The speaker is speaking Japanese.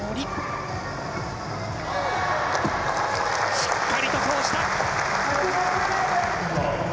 しっかりと通した。